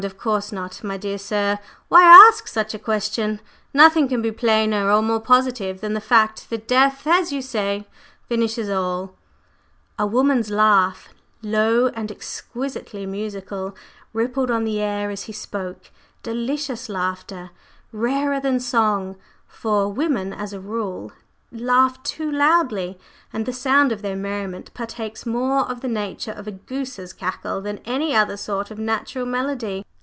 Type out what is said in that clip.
Of course not! My dear sir, why ask such a question? Nothing can be plainer or more positive than the fact that death, as you say, finishes all." A woman's laugh, low and exquisitely musical, rippled on the air as he spoke delicious laughter, rarer than song; for women as a rule laugh too loudly, and the sound of their merriment partakes more of the nature of a goose's cackle than any other sort of natural melody.